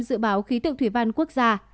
dự báo khí tượng thủy văn quốc gia